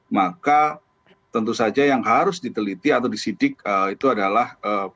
maka tentu saja yang harus diteliti atau disidik itu adalah